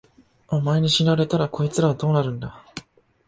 お前に死なれたら、こいつらはどうなるんだ。